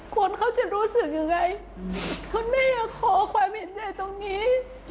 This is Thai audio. คนเขาจะรู้สึกยังไงคุณแม่ขอความเห็นใจตรงนี้